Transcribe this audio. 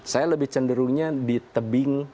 saya lebih cenderungnya di tebing